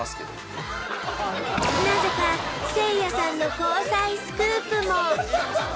なぜかせいやさんの交際スクープも